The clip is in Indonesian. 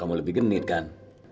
kamu lebih genit kan